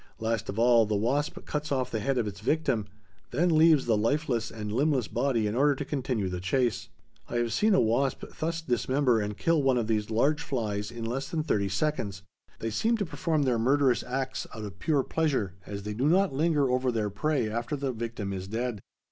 Last of all, the wasp cuts off the head of its victim, then leaves the lifeless and limbless body in order to continue the chase. I have seen a wasp thus dismember and kill one of these large flies in less than thirty seconds. They seem to perform their murderous acts out of pure pleasure, as they do not linger over their prey after the victim is dead.